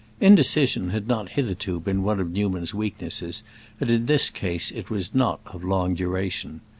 Indecision had not hitherto been one of Newman's weaknesses, and in this case it was not of long duration.